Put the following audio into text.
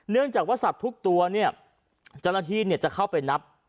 เนื่องจากว่าสัตว์ทุกตัวเนี่ยเจ้าหน้าที่จะเข้าไปนับ